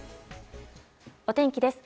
お天気です。